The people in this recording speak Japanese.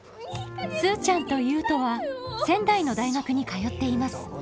スーちゃんと悠人は仙台の大学に通っています。